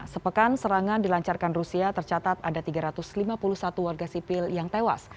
sepekan serangan dilancarkan rusia tercatat ada tiga ratus lima puluh satu warga sipil yang tewas